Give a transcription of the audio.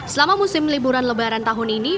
selama musim liburan lebaran tahun ini